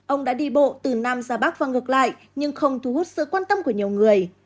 ông đã đi bộ từ nam ra bắc và ngược lại nhưng không thu hút sự quan tâm của nhiều người